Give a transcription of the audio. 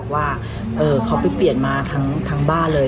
ก็มีคนบอกว่าเอ่อเขาไปเปลี่ยนมาทั้งทั้งบ้านเลย